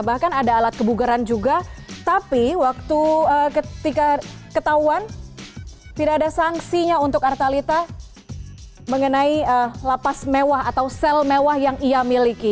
bahkan ada alat kebugaran juga tapi waktu ketika ketahuan tidak ada sanksinya untuk artalita mengenai lapas mewah atau sel mewah yang ia miliki